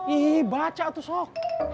ih baca tuh sok